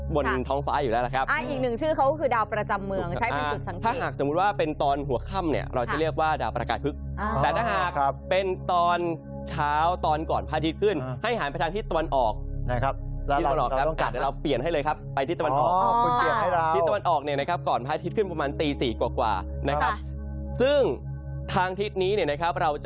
บนท้องฟ้าอยู่แล้วนะครับค่ะอีกหนึ่งชื่อเขา